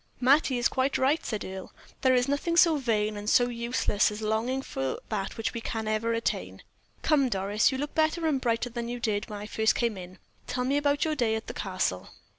"Mattie is quite right," said Earle. "There is nothing so vain and so useless as longing for that which we can never attain. Come, Doris, you look better and brighter than you did when I first came in. Tell me all about your day at the Castle."